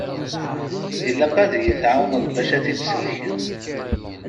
Ilaq ad yi-tɛawneḍ bac ad t-id-sellkeɣ.